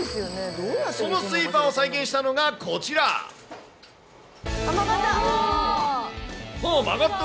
そのスイーパーを再現したのがこあっ、曲がった。